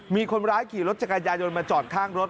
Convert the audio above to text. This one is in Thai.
มีคนร้ายขี่รถจักรยายนมาจอดข้างรถ